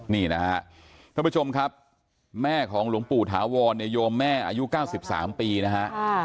นี่นะฮะท่านผู้ชมครับแม่ของหลวงปู่ถาวรเนี่ยโยมแม่อายุ๙๓ปีนะฮะ